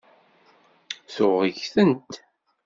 Tuɣ ggtent.